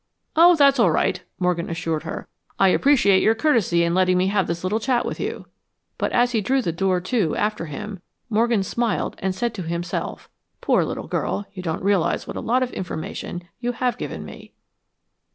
"Oh, that's all right," Morgan assured her, "I appreciate your courtesy in letting me have this little chat with you." But as he drew the door to after him, Morgan smiled and said to himself, "Poor little girl; you don't realize what a lot of information you have given me."